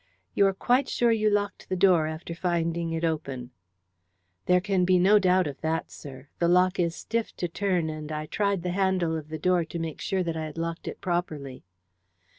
"You are quite sure you locked the door after finding it open?" "There can be no doubt of that, sir. The lock was stiff to turn, and I tried the handle of the door to make sure that I had locked it properly."